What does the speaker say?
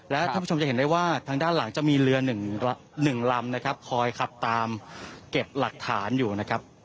และท่านผู้ชมจะเห็นได้ว่าทางด้านหลังจะมีเรือหนึ่งลำนะครับคอยขับตามเก็บหลักฐานอยู่นะครับ